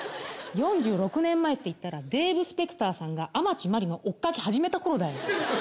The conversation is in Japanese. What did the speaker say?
４６年前って言ったらデーブ・スペクターさんが天地真理の追っかけ始めた頃だよ。